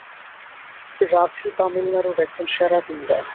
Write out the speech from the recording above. রাভি তামিলনাড়ুর একজন সেরা গুন্ডা।